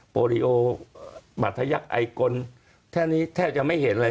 โปรลิโอบรรทยักษ์ไอกลแทบนี้แทบจะไม่เห็นอะไร